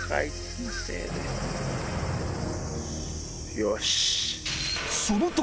よし！